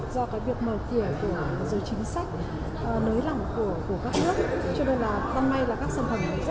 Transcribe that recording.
do cái việc mở kìa của dưới chính sách nới lỏng của các nước